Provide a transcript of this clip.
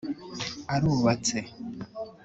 arubatse